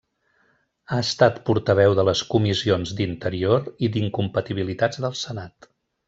Ha estat portaveu de les comissions d'interior i d'incompatibilitats del Senat.